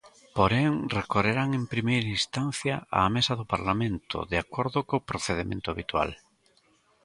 Porén, recorrerán en primeira instancia á Mesa do Parlamento, de acordo co procedemento habitual.